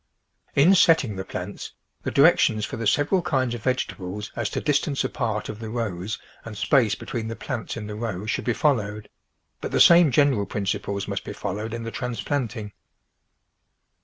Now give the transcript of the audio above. In setting the plants, the directions for the sev eral kinds of vegetables as to distance apart of the rows and space between the plants in the row should be followed, but the same general principles must be followed in the transplanting.